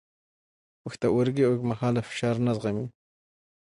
پښتورګي اوږدمهاله فشار نه زغمي.